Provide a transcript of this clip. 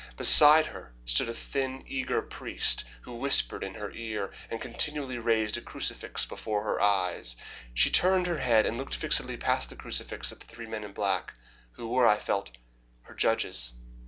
Beside her stood a thin, eager priest, who whispered in her ear, and continually raised a crucifix before her eyes. She turned her head and looked fixedly past the crucifix at the three men in black, who were, I felt, her judges.